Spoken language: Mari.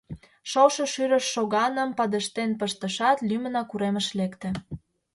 Шолшо шӱрыш шоганым падыштен пыштышат, лӱмынак уремыш лекте.